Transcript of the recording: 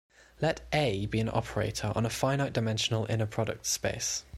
Let "A" be an operator on a finite-dimensional inner product space.